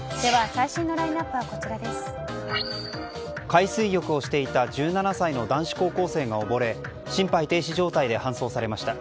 海水浴をしていた１７歳の男子高校生が溺れ心肺停止状態で搬送されました。